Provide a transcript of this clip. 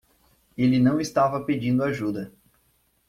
Ele não estava pedindo ajuda.